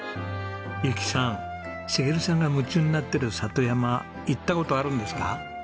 由紀さん茂さんが夢中になってる里山行った事あるんですか？